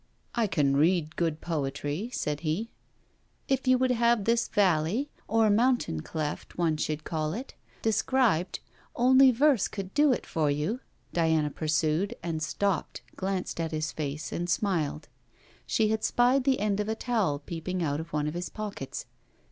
'I can read good poetry,' said he. 'If you would have this valley or mountain cleft, one should call it described, only verse could do it for you,' Diana pursued, and stopped, glanced at his face, and smiled. She had spied the end of a towel peeping out of one of his pockets.